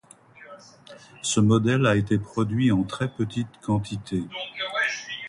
Ce modèle a été produit en très petite quantité.